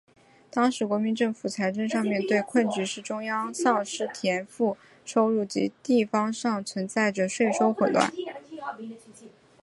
当时国民政府财政上面对的困局是中央丧失田赋收入及地方上存在着税收混乱。